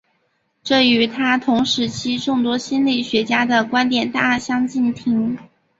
这与他同时期众多心理学家的观点大相径庭。